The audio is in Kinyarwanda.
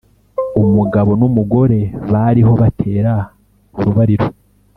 umugabo n'umugore bariho batera urubariro,